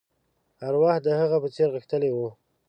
ارواح د هغه په څېر غښتلې وه.